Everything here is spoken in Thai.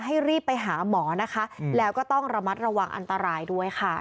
รีบไปหาหมอนะคะแล้วก็ต้องระมัดระวังอันตรายด้วยค่ะ